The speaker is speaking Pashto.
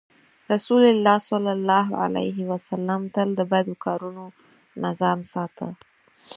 رسول الله ﷺ تل د بدو کارونو نه ځان ساته.